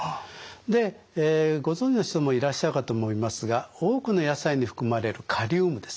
でご存じの人もいらっしゃるかと思いますが多くの野菜に含まれるカリウムですね。